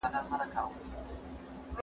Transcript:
ولې ملي سوداګر خوراکي توکي له چین څخه واردوي؟